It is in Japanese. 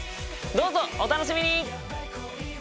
どうぞお楽しみに！